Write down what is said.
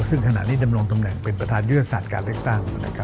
ซึ่งขณะนี้ดำรงตำแหน่งเป็นประธานยุทธศาสตร์การเลือกตั้ง